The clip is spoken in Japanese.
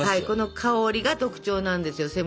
この香りが特徴なんですよ